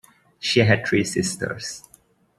She had three sisters.